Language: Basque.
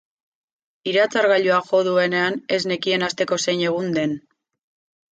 Iratzargailuak jo duenean ez nekien asteko zein egun den.